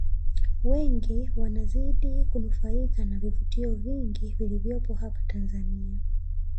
Wengi wanazidi kunufaika na vivutio vingi vilivyopo hapa Tanzania